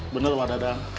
benar pak dadang